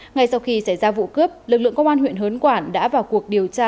ngay sau khi xảy ra vụ cướp lực lượng công an huyện hớn quản đã vào cuộc điều tra